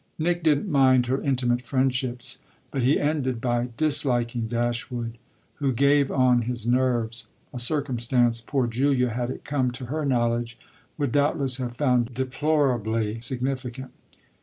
Nick didn't mind her intimate friendships, but he ended by disliking Dashwood, who gave on his nerves a circumstance poor Julia, had it come to her knowledge, would doubtless have found deplorably significant.